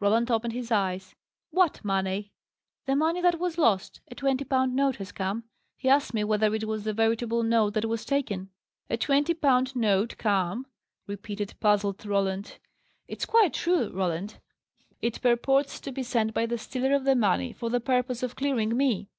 Roland opened his eyes. "What money?" "The money that was lost. A twenty pound note has come. He asked me whether it was the veritable note that was taken." "A twenty pound note come!" repeated puzzled Roland. "It's quite true, Roland. It purports to be sent by the stealer of the money for the purpose of clearing me."